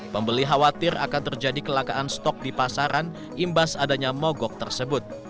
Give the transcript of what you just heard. pembeli khawatir akan terjadi kelakaan stok di pasaran imbas adanya mogok tersebut